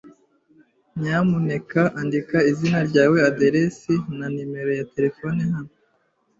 Nyamuneka andika izina ryawe, aderesi, na numero ya terefone hano.